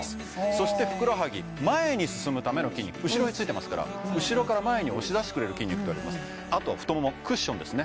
そしてふくらはぎ前に進むための筋肉後ろについてますから後ろから前に押し出してくれる筋肉あとは太ももクッションですね